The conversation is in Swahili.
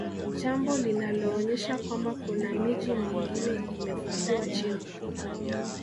jambo linaloonyesha kwamba kuna miji mingine imefukiwa chini